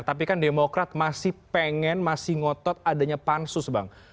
tapi kan demokrat masih pengen masih ngotot adanya pansus bang